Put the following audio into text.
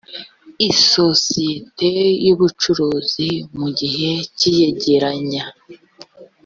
isosiyete y ubucuruzi mu gihe cy iyegeranya